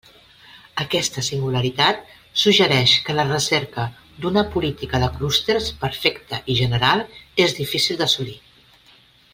Aquesta singularitat suggereix que la recerca d'una política de clústers perfecta i general és difícil d'assolir.